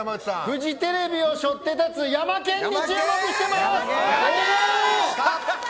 フジテレビをしょって立つヤマケンに注目しています。